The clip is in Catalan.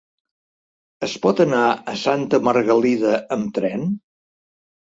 Es pot anar a Santa Margalida amb tren?